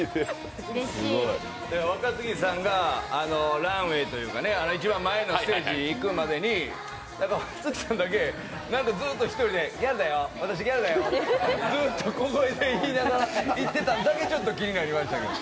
若槻さんがランウェイというか、一番前のステージに行くまでに、若槻さんだけ、ずっと１人だけギャルだよ、私、ギャルだよってずっと小声で言いながら言ってたのだけ気になりましたけど。